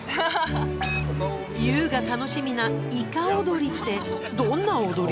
ＹＯＵが楽しみないか踊りってどんな踊り？